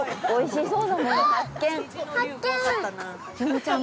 おいしい。